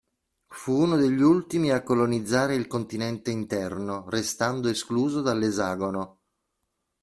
Fu uno degli ultimi a colonizzare il continente interno, restando escluso dall'esagono.